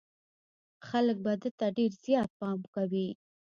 خلک به ده ته ډېر زيات پام کوي.